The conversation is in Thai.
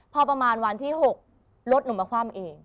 พอประมาณวันที่๖รถหนูมาคว่ำเอง